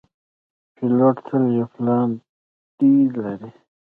پیلوټ تل یو پلان “B” لري.